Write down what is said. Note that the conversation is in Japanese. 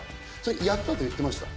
やったと言ってました。